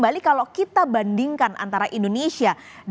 jadi kalau kita bandingkan antara indonesia dan indonesia